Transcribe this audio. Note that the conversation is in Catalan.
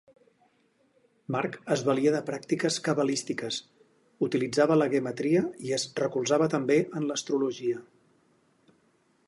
Marc es valia de pràctiques cabalístiques, utilitzava la guematria i es recolzava també en l'astrologia.